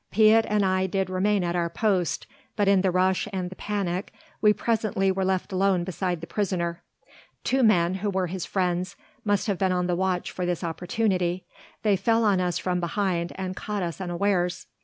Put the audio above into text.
Piet and I did remain at our post, but in the rush and the panic we presently were left alone beside the prisoner. Two men who were his friends must have been on the watch for this opportunity, they fell on us from behind and caught us unawares.